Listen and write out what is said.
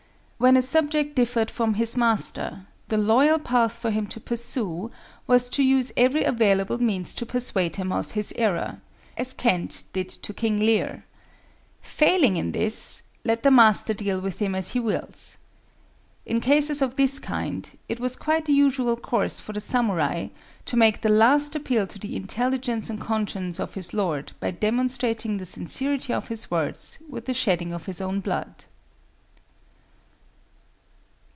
When a subject differed from his master, the loyal path for him to pursue was to use every available means to persuade him of his error, as Kent did to King Lear. Failing in this, let the master deal with him as he wills. In cases of this kind, it was quite a usual course for the samurai to make the last appeal to the intelligence and conscience of his lord by demonstrating the sincerity of his words with the shedding of his own blood.